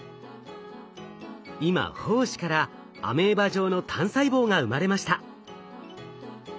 今胞子からアメーバ状の単細胞が生まれました。